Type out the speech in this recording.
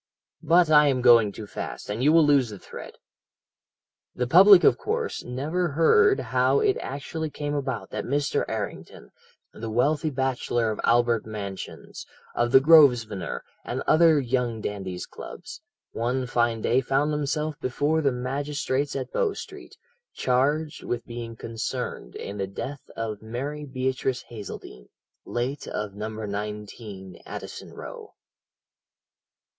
"But I am going too fast, and you will lose the thread. "The public, of course, never heard how it actually came about that Mr. Errington, the wealthy bachelor of Albert Mansions, of the Grosvenor, and other young dandies' clubs, one fine day found himself before the magistrates at Bow Street, charged with being concerned in the death of Mary Beatrice Hazeldene, late of No. 19, Addison Row.